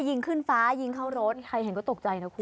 ยิงขึ้นฟ้ายิงเข้ารถใครเห็นก็ตกใจนะคุณ